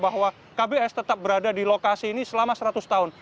bahwa kbs tetap berada di lokasi ini selama seratus tahun